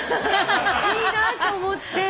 いいなと思って。